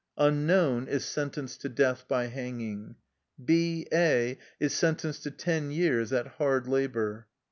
^ Unknown ' is sentenced to death by hanging. В A is sentenced to ten years at hard labor.''